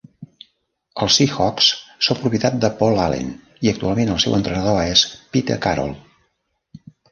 Els Seahawks són propietat de Paul Allen, i actualment el seu entrenador és Pete Carroll.